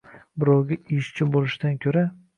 Birovga ishchi bo‘lishdan ko‘ra.